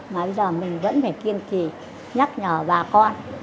mà bây giờ mình vẫn phải kiên trì nhắc nhở bà con